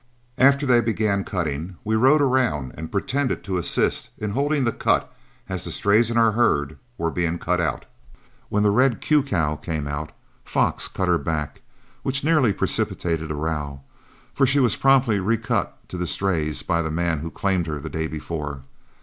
After they began cutting, we rode around and pretended to assist in holding the cut as the strays in our herd were being cut out. When the red "Q" cow came out, Fox cut her back, which nearly precipitated a row, for she was promptly recut to the strays by the man who claimed her the day before.